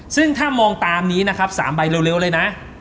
ซึ่งถ้ามองตามนี้นะครับ๓ใบเร็วเลยนะ